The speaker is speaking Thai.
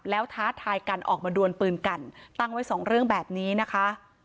แล้วท้าทายกันออกมาดวนปืนกันตั้งไว้สองเรื่องแบบนี้นะคะ